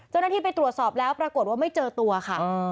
เจ้าหน้าที่ไปตรวจสอบแล้วปรากฏว่าไม่เจอตัวค่ะ